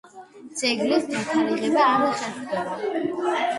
ძეგლის დათარიღება არ ხერხდება.